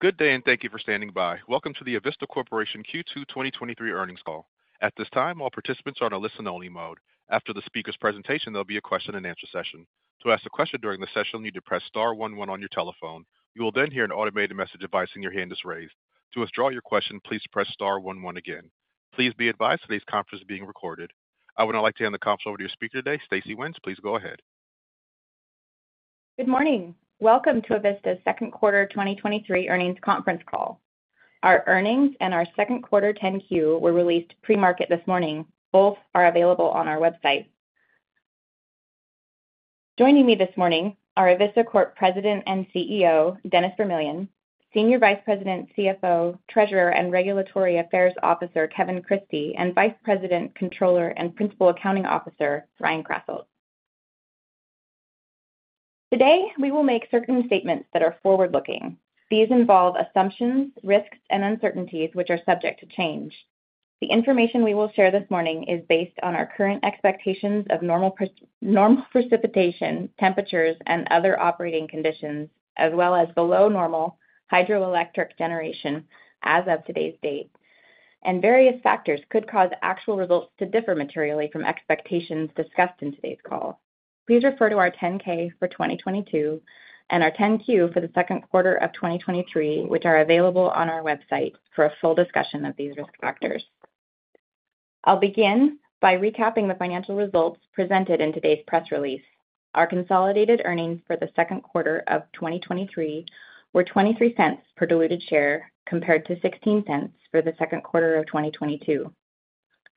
Good day, and thank you for standing by. Welcome to the Avista Corporation Q2 2023 earnings call. At this time, all participants are on a listen-only mode. After the speaker's presentation, there'll be a question-and-answer session. To ask a question during the session, you'll need to press star one one on your telephone. You will then hear an automated message advising your hand is raised. To withdraw your question, please press star one one again. Please be advised today's conference is being recorded. I would now like to hand the conference over to your speaker today, Stacey Wenz. Please go ahead. Good morning. Welcome to Avista's second quarter 2023 earnings conference call. Our earnings and our second quarter Form 10-Q were released pre-market this morning. Both are available on our website. Joining me this morning are Avista Corp President and CEO, Dennis Vermillion; Senior Vice President, CFO, Treasurer, and Regulatory Affairs Officer, Kevin Christie; and Vice President, Controller, and Principal Accounting Officer, Ryan Krasselt. Today, we will make certain statements that are forward-looking. These involve assumptions, risks, and uncertainties, which are subject to change. The information we will share this morning is based on our current expectations of normal precipitation, temperatures, and other operating conditions, as well as below normal hydroelectric generation as of today's date. Various factors could cause actual results to differ materially from expectations discussed in today's call. Please refer to our Form 10-K for 2022 and our Form 10-Q for the second quarter of 2023, which are available on our website for a full discussion of these risk factors. I'll begin by recapping the financial results presented in today's press release. Our consolidated earnings for the second quarter of 2023 were $0.23 per diluted share, compared to $0.16 for the second quarter of 2022.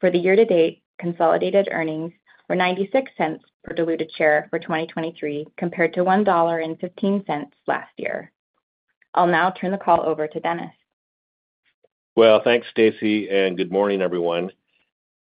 For the year to date, consolidated earnings were $0.96 per diluted share for 2023, compared to $1.15 last year. I'll now turn the call over to Dennis. Thanks, Stacey, and good morning, everyone.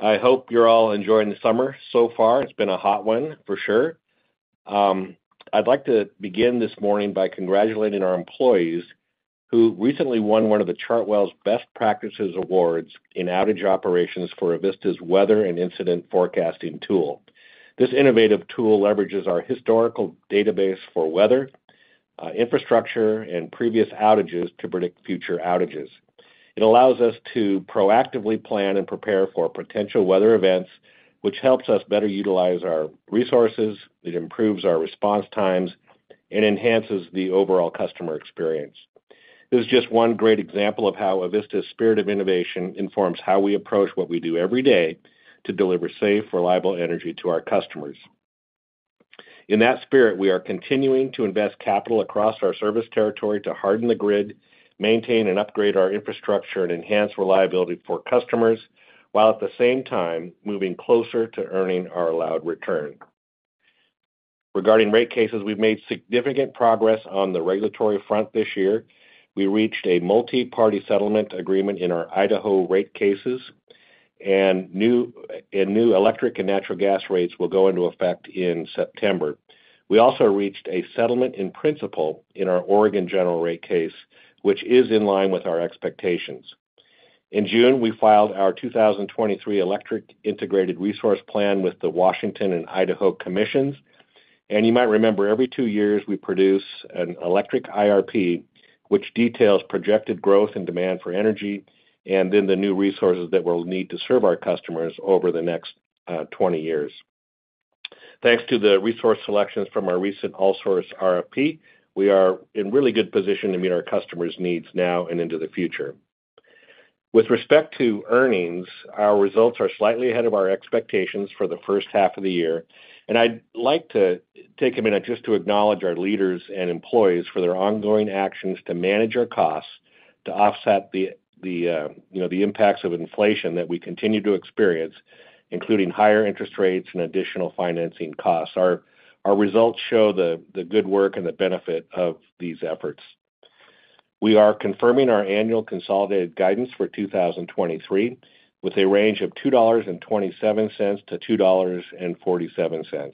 I hope you're all enjoying the summer. So far, it's been a hot one for sure. I'd like to begin this morning by congratulating our employees, who recently won one of the Chartwell's Best Practices Awards in outage operations for Avista's Weather and Incident Forecasting Tool. This innovative tool leverages our historical database for weather, infrastructure, and previous outages to predict future outages. It allows us to proactively plan and prepare for potential weather events, which helps us better utilize our resources, it improves our response times, and enhances the overall customer experience. This is just one great example of how Avista's spirit of innovation informs how we approach what we do every day to deliver safe, reliable energy to our customers. In that spirit, we are continuing to invest capital across our service territory to harden the grid, maintain and upgrade our infrastructure, and enhance reliability for customers, while at the same time moving closer to earning our allowed return. Regarding rate cases, we've made significant progress on the regulatory front this year. We reached a multi-party settlement agreement in our Idaho rate cases, and new electric and natural gas rates will go into effect in September. We also reached a settlement in principle in our Oregon General rate case, which is in line with our expectations. In June, we filed our 2023 Electric Integrated Resource Plan with the Washington and Idaho Commissions. You might remember, every 2 years, we produce an electric IRP, which details projected growth and demand for energy and then the new resources that we'll need to serve our customers over the next 20 years. Thanks to the resource selections from our recent All-Source RFP, we are in really good position to meet our customers' needs now and into the future. With respect to earnings, our results are slightly ahead of our expectations for the first half of the year, and I'd like to take a minute just to acknowledge our leaders and employees for their ongoing actions to manage our costs, to offset you know, the impacts of inflation that we continue to experience, including higher interest rates and additional financing costs. Our results show the good work and the benefit of these efforts. We are confirming our annual consolidated guidance for 2023, with a range of $2.27-$2.47.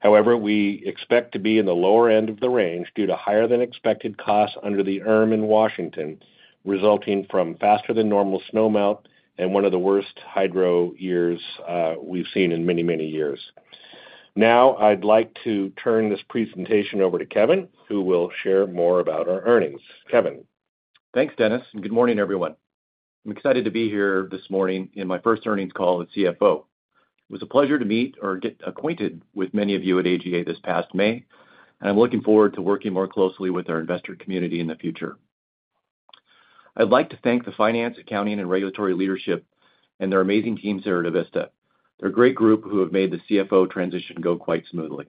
However, we expect to be in the lower end of the range due to higher-than-expected costs under the ERM in Washington, resulting from faster than normal snow melt and one of the worst hydro years, we've seen in many, many years. Now, I'd like to turn this presentation over to Kevin, who will share more about our earnings. Kevin? Thanks, Dennis. Good morning, everyone. I'm excited to be here this morning in my first earnings call as CFO. It was a pleasure to meet or get acquainted with many of you at AGA this past May, and I'm looking forward to working more closely with our investor community in the future. I'd like to thank the finance, accounting, and regulatory leadership and their amazing teams here at Avista. They're a great group who have made the CFO transition go quite smoothly.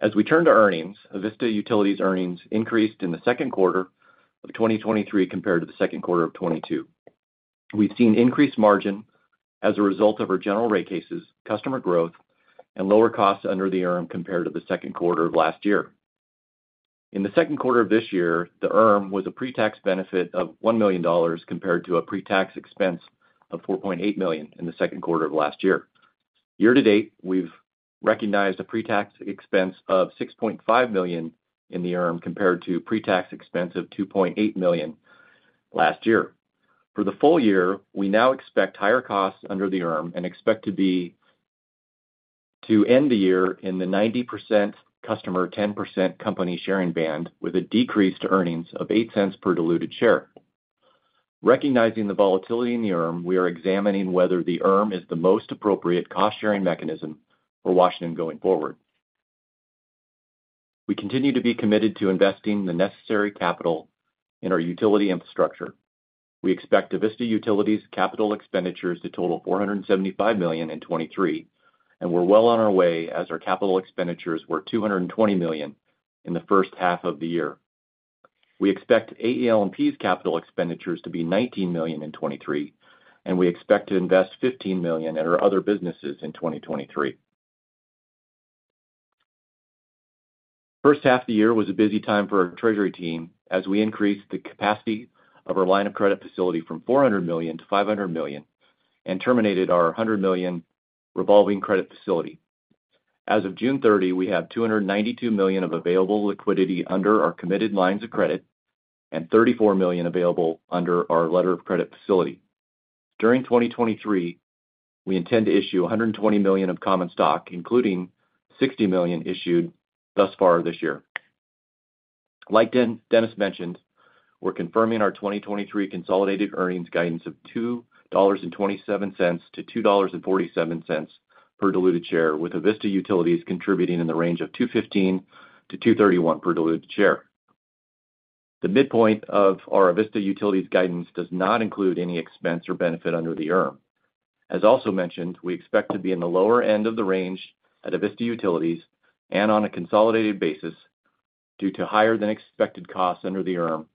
As we turn to earnings, Avista Utilities' earnings increased in the second quarter of 2023 compared to the second quarter of 2022. We've seen increased margin as a result of our general rate cases, customer growth, and lower costs under the ERM compared to the second quarter of last year. In the second quarter of this year, the ERM was a pre-tax benefit of $1 million compared to a pre-tax expense of $4.8 million in the second quarter of last year. Year to date, we've recognized a pre-tax expense of $6.5 million in the ERM compared to pre-tax expense of $2.8 million last year. For the full year, we now expect higher costs under the ERM and expect to end the year in the 90% customer, 10% company sharing band, with a decrease to earnings of $0.08 per diluted share. Recognizing the volatility in the ERM, we are examining whether the ERM is the most appropriate cost-sharing mechanism for Washington going forward. We continue to be committed to investing the necessary capital in our utility infrastructure. We expect Avista Utilities capital expenditures to total $475 million in 2023. We're well on our way as our capital expenditures were $220 million in the first half of the year. We expect AEL&P's capital expenditures to be $19 million in 2023. We expect to invest $15 million in our other businesses in 2023. First half of the year was a busy time for our treasury team as we increased the capacity of our line of credit facility from $400 million-$500 million and terminated our $100 million revolving credit facility. As of June 30, we have $292 million of available liquidity under our committed lines of credit and $34 million available under our letter of credit facility. During 2023, we intend to issue $120 million of common stock, including $60 million issued thus far this year. Like Dennis mentioned, we're confirming our 2023 consolidated earnings guidance of $2.27-$2.47 per diluted share, with Avista Utilities contributing in the range of $2.15-$2.31 per diluted share. The midpoint of our Avista Utilities guidance does not include any expense or benefit under the ERM. As also mentioned, we expect to be in the lower end of the range at Avista Utilities and on a consolidated basis due to higher than expected costs under the ERM,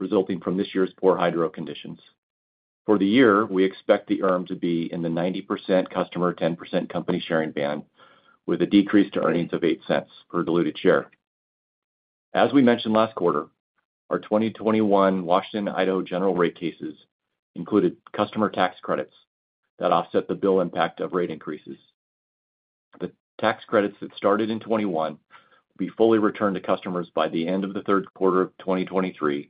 resulting from this year's poor hydro conditions. For the year, we expect the ERM to be in the 90% customer, 10% company sharing band, with a decrease to earnings of $0.08 per diluted share. As we mentioned last quarter, our 2021 Washington, Idaho general rate cases included customer tax credits that offset the bill impact of rate increases. The tax credits that started in 2021 will be fully returned to customers by the end of the third quarter of 2023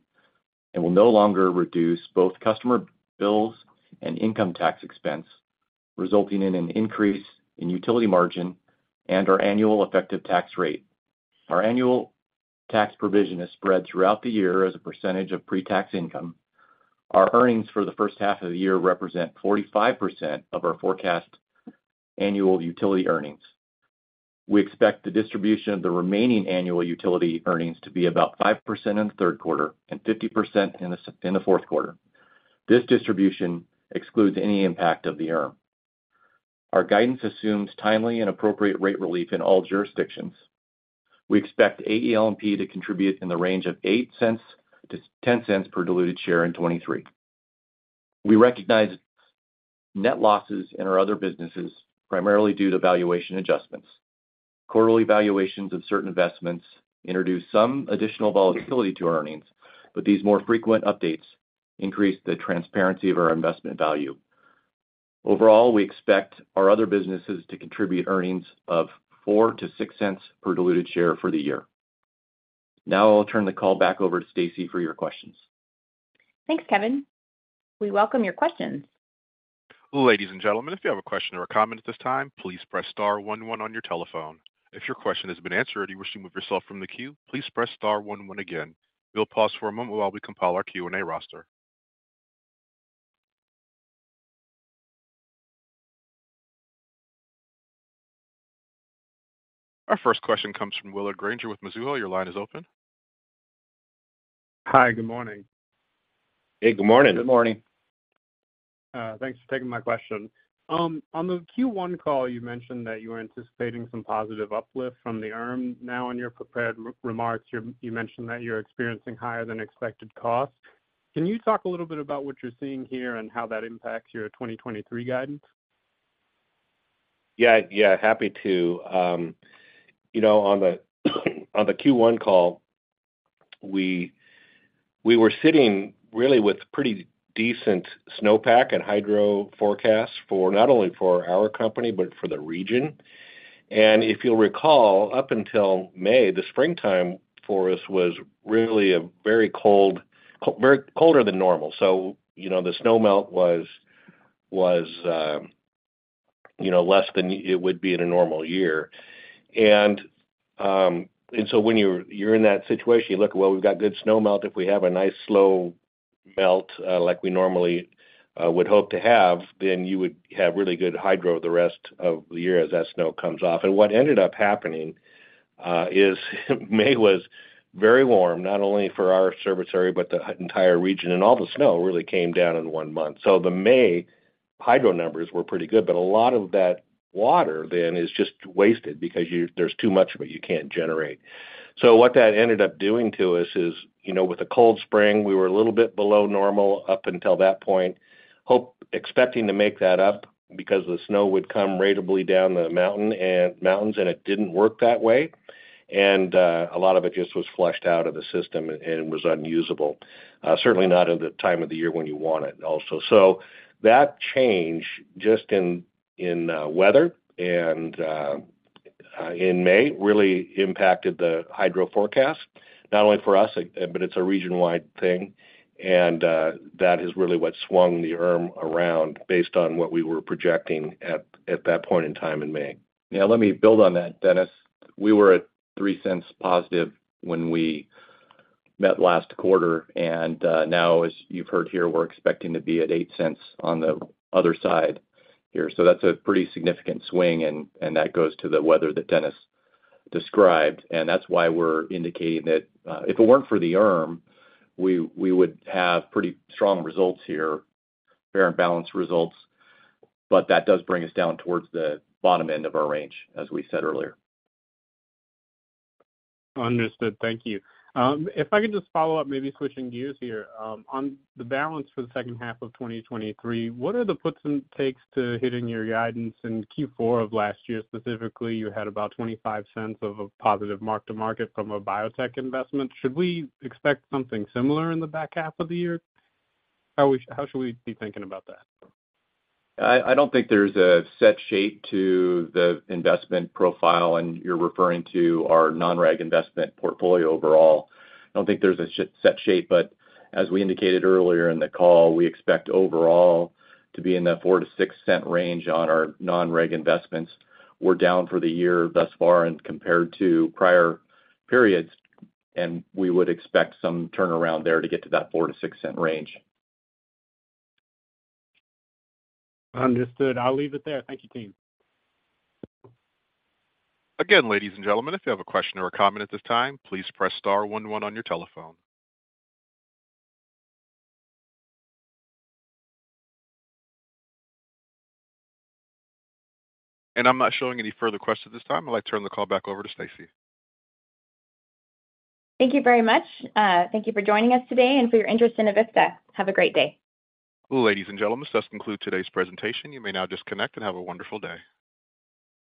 and will no longer reduce both customer bills and income tax expense, resulting in an increase in utility margin and our annual effective tax rate. Our annual tax provision is spread throughout the year as a percentage of pre-tax income. Our earnings for the first half of the year represent 45% of our forecast annual utility earnings. We expect the distribution of the remaining annual utility earnings to be about 5% in the third quarter and 50% in the fourth quarter. This distribution excludes any impact of the ERM. Our guidance assumes timely and appropriate rate relief in all jurisdictions. We expect AEL&P to contribute in the range of $0.08-$0.10 per diluted share in 2023. We recognize net losses in our other businesses, primarily due to valuation adjustments. Quarterly valuations of certain investments introduce some additional volatility to our earnings, but these more frequent updates increase the transparency of our investment value. Overall, we expect our other businesses to contribute earnings of $0.04-$0.06 per diluted share for the year. Now I'll turn the call back over to Stacey for your questions. Thanks, Kevin. We welcome your questions. Ladies and gentlemen, if you have a question or a comment at this time, please press star 11 on your telephone. If your question has been answered and you wish to remove yourself from the queue, please press star one again. We'll pause for a moment while we compile our Q&A roster. Our first question comes from Willard Grainger with Mizuho. Your line is open. Hi, good morning. Hey, good morning. Good morning. Thanks for taking my question. On the Q1 call, you mentioned that you were anticipating some positive uplift from the ERM. Now, in your prepared remarks, you mentioned that you're experiencing higher than expected costs. Can you talk a little bit about what you're seeing here and how that impacts your 2023 guidance? Yeah, yeah, happy to. You know, on the, on the Q1 call, we, we were sitting really with pretty decent snowpack and hydro forecasts for not only for our company, but for the region. If you'll recall, up until May, the springtime for us was really a very cold, very colder than normal. You know, the snow melt was, was, you know, less than it would be in a normal year. When you're, you're in that situation, you look, well, we've got good snow melt. If we have a nice slow melt, like we normally would hope to have, then you would have really good hydro the rest of the year as that snow comes off. What ended up happening is May was very warm, not only for our service area, but the entire region, and all the snow really came down in one month. The May hydro numbers were pretty good, but a lot of that water then is just wasted because you- there's too much of it, you can't generate. What that ended up doing to us is, you know, with a cold spring, we were a little bit below normal up until that point, hope- expecting to make that up because the snow would come ratably down the mountain and... mountains, and it didn't work that way. A lot of it just was flushed out of the system and, and was unusable, certainly not at the time of the year when you want it also. That change just in, in weather and in May really impacted the hydro forecast, not only for us, but it's a region-wide thing. That is really what swung the ERM around based on what we were projecting at, at that point in time in May. Yeah, let me build on that, Dennis. We were at $0.03 positive when we met last quarter, and, now, as you've heard here, we're expecting to be at $0.08 on the other side here. That's a pretty significant swing, and that goes to the weather that Dennis described, and that's why we're indicating that, if it weren't for the ERM, we would have pretty strong results here, fair and balanced results. That does bring us down towards the bottom end of our range, as we said earlier. Understood. Thank you. If I could just follow up, maybe switching gears here. On the balance for the second half of 2023, what are the puts and takes to hitting your guidance in Q4 of last year? Specifically, you had about $0.25 of a positive mark-to-market from a biotech investment. Should we expect something similar in the back half of the year? How should we be thinking about that? I don't think there's a set shape to the investment profile. You're referring to our non-reg investment portfolio overall. I don't think there's a set shape. As we indicated earlier in the call, we expect overall to be in the $0.04-$0.06 range on our non-reg investments. We're down for the year thus far and compared to prior periods. We would expect some turnaround there to get to that $0.04-$0.06 range. Understood. I'll leave it there. Thank you, team. Again, ladies and gentlemen, if you have a question or a comment at this time, please press star one one on your telephone. I'm not showing any further questions at this time. I'd like to turn the call back over to Stacy. Thank you very much. Thank you for joining us today and for your interest in Avista. Have a great day. Ladies and gentlemen, this does conclude today's presentation. You may now disconnect and have a wonderful day.